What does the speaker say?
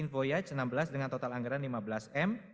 voyage enam belas dengan total anggaran lima belas m